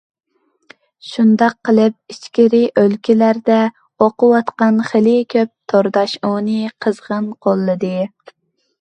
شۇنداق قىلىپ ئىچكىرى ئۆلكىلەردە ئوقۇۋاتقان خېلى كۆپ تورداش ئۇنى قىزغىن قوللىدى.